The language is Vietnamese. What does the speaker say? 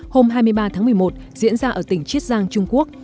hôm hai mươi ba tháng một mươi một diễn ra ở tỉnh chiết giang trung quốc